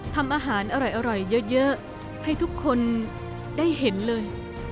ทำอาหารอร่อยเยอะให้ทุกคนได้เห็นเลย